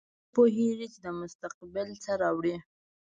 څوک پوهیږي چې مستقبل څه راوړي